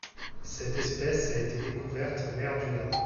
Cette espèce a été découverte en mer du Nord.